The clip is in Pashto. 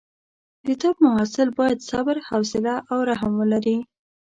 د طب محصل باید صبر، حوصله او رحم ولري.